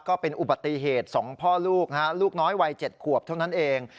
ก็เป็นอุบัติเหตุ๒พ่อลูกลูกน้อยวัย๗ขวบเท่านั้นเอง